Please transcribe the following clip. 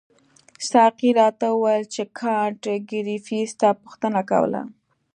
ساقي راته وویل چې کانت ګریفي ستا پوښتنه کوله.